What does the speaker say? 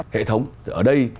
hệ thống ở đây